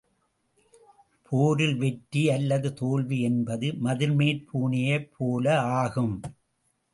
போரில் வெற்றி அல்லது தோல்வி என்பது மதில்மேற் பூனையைப் போல ஆகும்.